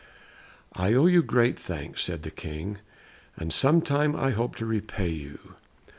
"I owe you great thanks," said the King, "and some time I hope to repay you."